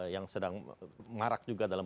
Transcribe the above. yang sedang marak juga dalam